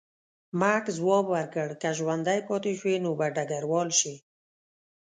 مک ځواب ورکړ، که ژوندی پاتې شوې نو به ډګروال شې.